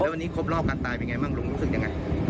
วันนี้ครบรอบการตายเป็นไงบ้างลุงรู้สึกยังไง